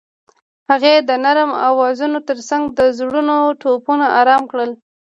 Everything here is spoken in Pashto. هغې د نرم اوازونو ترڅنګ د زړونو ټپونه آرام کړل.